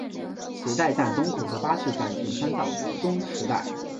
池袋站东口的巴士站请参照东池袋。